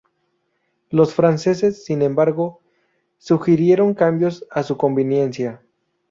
Los franceses, sin embargo, sugirieron cambios a su conveniencia.